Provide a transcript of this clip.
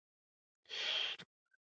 په دې اثر کې د مقدس سفر تجربې دي.